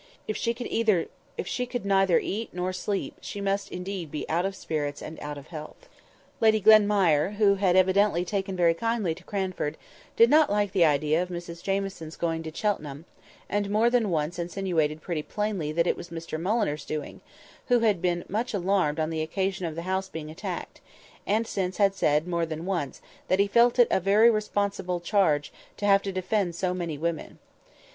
If she could neither eat nor sleep, she must be indeed out of spirits and out of health. Lady Glenmire (who had evidently taken very kindly to Cranford) did not like the idea of Mrs Jamieson's going to Cheltenham, and more than once insinuated pretty plainly that it was Mr Mulliner's doing, who had been much alarmed on the occasion of the house being attacked, and since had said, more than once, that he felt it a very responsible charge to have to defend so many women.